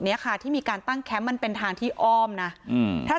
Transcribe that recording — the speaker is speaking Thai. เนี้ยค่ะที่มีการตั้งแคมป์มันเป็นทางที่อ้อมนะอืมถ้า